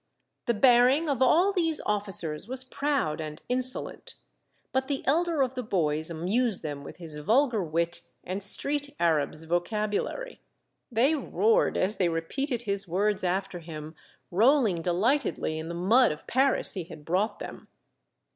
The bearing of all these officers was proud and insolent, but the elder of the boys amused them with his vulgar wit and street Arab's vocabulary. They roared as they repeated his words after him, rolling delightedly in the mud of Paris he had brought them.